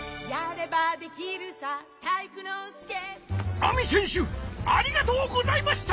ＡＭＩせんしゅありがとうございました！